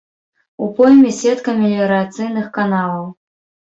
У пойме сетка меліярацыйных каналаў.